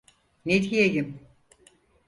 Ne diyeyim?